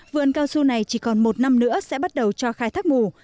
vườn cao su này chỉ còn một năm nữa sẽ bắt đầu cho khai thác mù